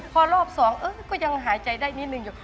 พอรอบสองก็ยังหายใจได้นิดนึงอยู่